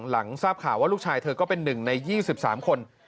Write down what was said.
หลังทราบข่าวว่าลูกชายเธอก็เป็น๑ใน๒๓คน